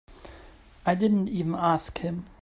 I didn't even ask him.